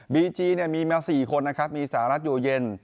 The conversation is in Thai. บีจีเนี่ยมีมาสี่คนนะครับมีสหรัฐอยู่เย็น